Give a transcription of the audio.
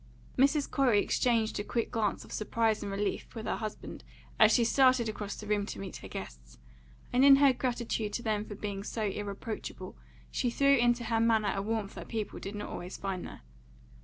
Mrs. Corey exchanged a quick glance of surprise and relief with her husband as she started across the room to meet her guests, and in her gratitude to them for being so irreproachable, she threw into her manner a warmth that people did not always find there.